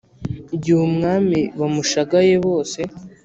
Igihe umwami bamushagaye bose